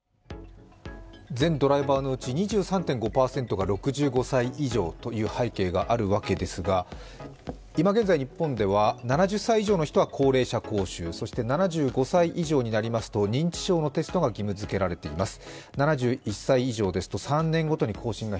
全ドライバーのうち２３．５％が６５歳以上という現状があるわけですが今現在日本では７０歳以上の人は高齢者講習、そして７５歳以上になりますと認知症のテストが義務づけられています。